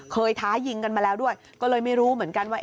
ท้ายิงกันมาแล้วด้วยก็เลยไม่รู้เหมือนกันว่า